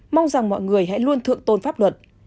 mong rằng mọi người hãy luôn thượng tôn pháp luật